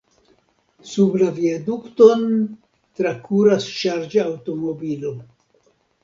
Sub la viadukton trakuras ŝarĝaŭtomobilo.